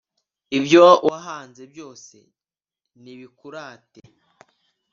ibyo wahanze byose nibikurate